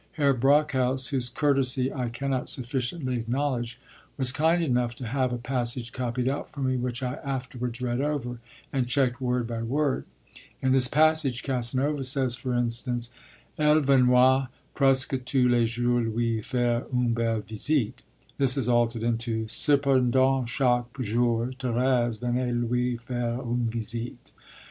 Herr Brockhaus (whose courtesy I cannot sufficiently acknowledge) was kind enough to have a passage copied out for me, which I afterwards read over, and checked word by word. In this passage Casanova says, for instance: Elle venoit presque tous les jours lui faire une belle visite. This is altered into: _Cependant chaque jour Thérèse venait lui faire une visite.